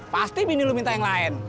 pasti bini lu minta yang lain